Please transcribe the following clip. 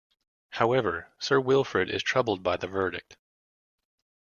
However, Sir Wilfrid is troubled by the verdict.